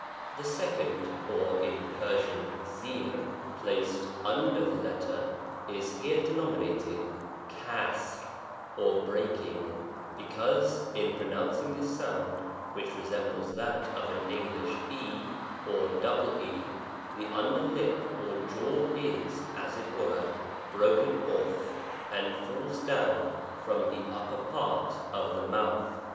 The second, or in Persian being placed under the letter ( x ) is here denominated Cusr^ or breaking, because, in pronouncing this sound, which resembles that of an English e, or ee, the under lip or jaw is, as it were, broken off, and falls down, from the up per part of the mouth.